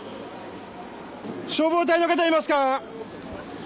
消防隊の方いますか。